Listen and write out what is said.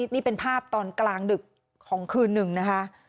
นี่เป็นภาพตอนกลางดึกของคืนหนึ่งนะคะ